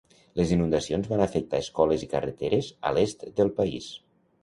Les inundacions van afectar escoles i carreteres a l'est del país.